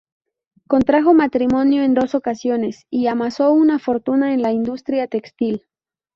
Contrajo matrimonio en dos ocasiones y amasó una fortuna en la industria textil.